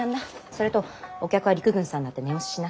それとお客は陸軍さんだって念押ししな。